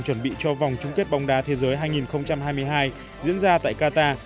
chuẩn bị cho vòng chung kết bóng đá thế giới hai nghìn hai mươi hai diễn ra tại qatar